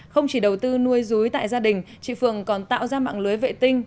không chỉ đầu tư nuôi rúi tại gia đình chị phượng còn tạo ra mạng lưới vệ tinh